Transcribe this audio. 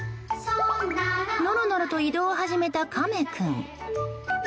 ノロノロと移動を始めたカメ君。